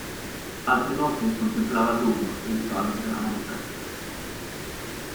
Altre volte contemplava a lungo il palmo della mano aperta.